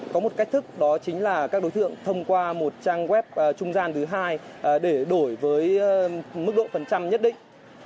có một cách thức đó chính là các đối tượng thông qua một trang web trung gian thứ hai để đổi với mức độ phần trăm nhất định